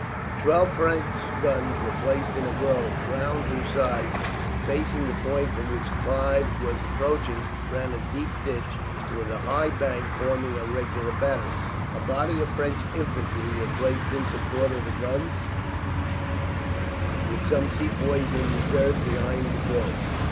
The twelve French guns were placed in a grove, round whose sides, facing the point from which Clive was approaching, ran a deep ditch with a high bank forming a regular battery. A body of French infantry were placed in support of the guns, with some Sepoys in reserve behind the grove.